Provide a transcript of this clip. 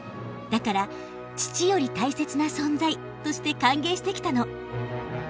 だから「父より大切な存在」として歓迎してきたの。